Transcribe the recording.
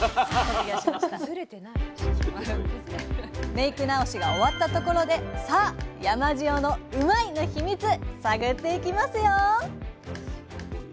メイク直しが終わったところでさあ山塩のうまいッ！のヒミツ探っていきますよ！